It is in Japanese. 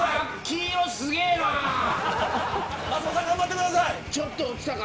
松本さん、頑張ってください。